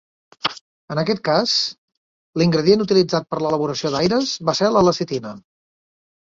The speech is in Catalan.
En aquest cas, l'ingredient utilitzat per a l'elaboració d'aires va ser la lecitina.